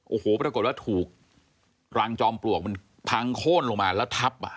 โอ้โหปรากฏว่าถูกรางจอมปลวกมันพังโค้นลงมาแล้วทับอ่ะ